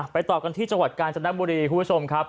ไปต่อกันที่จังหวัดกาลจรรย์น้ำบุรีผู้ชมครับ